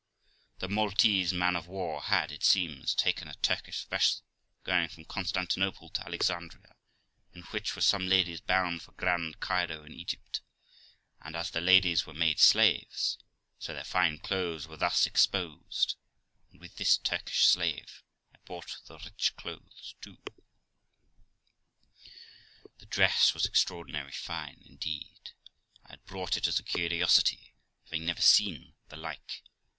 The Maltese man of war had, it seems, taken a Turkish vessel going from Constantinople to Alexandria, in which were some ladies bound for Grand Cairo in Egypt; and, as the ladies were made slaves, so their fine clothes were thus exposed ; and with this Turkish slave I bought the rich clothes too. The dress was extraordinary fine indeed ; I had bought it as a curiosity, having never seen the like.